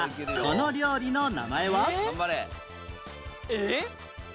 えっ？